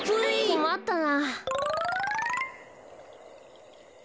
こまったな。